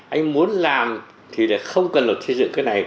anh muốn làm thì không cần luật xây dựng cái này